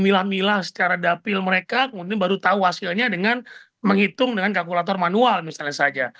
milah milah secara dapil mereka kemudian baru tahu hasilnya dengan menghitung dengan kalkulator manual misalnya saja